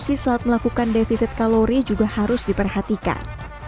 yang dikonsumsi saat melakukan defisit kalori juga harus diperhatikan